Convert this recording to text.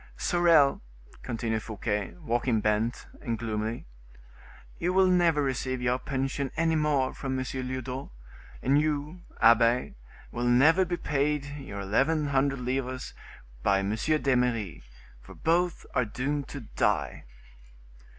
"Sorel," continued Fouquet, walking bent, and gloomily, "you will never receive your pension any more from M. Lyodot; and you, abbe, will never be paid you eleven hundred livres by M. d'Eymeris; for both are doomed to die."